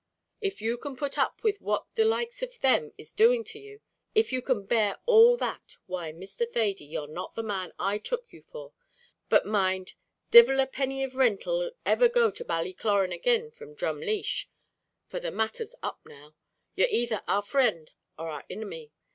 If you can put up with what the likes of them is doing to you if you can bear all that why, Mr. Thady, you're not the man I took you for. But mind, divil a penny of rint 'll ever go to Ballycloran agin from Drumleesh; for the matter's up now; you're either our frind or our inimy.